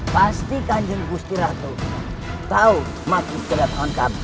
pasti kanjeng bustiratu tahu maksud kedatangan kamu